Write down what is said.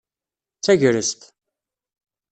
D tagrest.